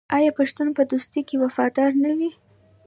آیا پښتون په دوستۍ کې وفادار نه وي؟